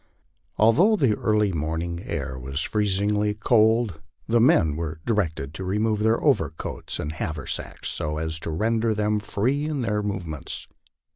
Although the early morning air was freen ingly cold, the men were directed to remove their overcoats and haversacks, so as to render them free in their movements.